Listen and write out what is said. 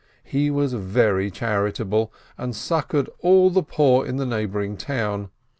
He was very charitable, and succored all the poor in the neighboring town.